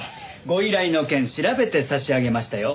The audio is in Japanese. ご依頼の件調べて差し上げましたよ。